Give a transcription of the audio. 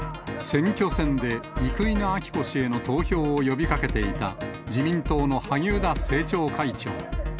選挙戦で生稲晃子氏への投票を呼びかけていた自民党の萩生田政調会長。